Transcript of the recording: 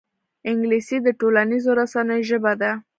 انګلیسي د ټولنیزو رسنیو ژبه ده